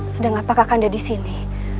sedang apa kakanda disini